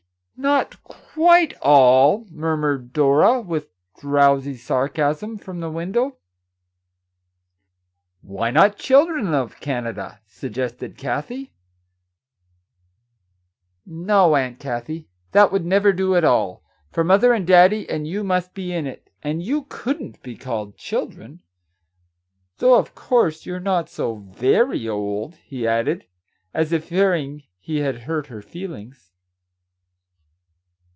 " Not quite all," murmured Dora, with drowsy sarcasm, from the window. " Why not Children of Canada ?" suggested Kathie. " No, Aunt Kathie, that would never do at all, for mother and Daddy and you must be in it, and you couldn't be called children, — though, of course, you're not so very old," he added, as if fearing he had hurt her feelings.